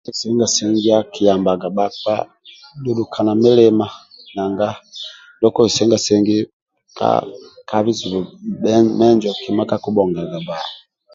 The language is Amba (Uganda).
Kesengasengiya akiyambaga bhakpa dudukana milima nanga ndio kesengasengi ka ka bizibu dhe menjo kima kakubhongaga bba.